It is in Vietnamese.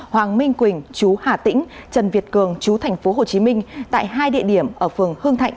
hoàng minh quỳnh chú hà tĩnh trần việt cường chú tp hcm tại hai địa điểm ở phường hương thạnh